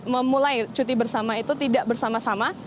memulai cuti bersama itu tidak bersama sama